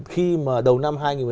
khi mà đầu năm hai nghìn một mươi tám